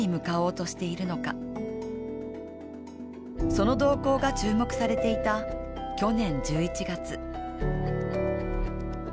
その動向が注目されていた去年１１月。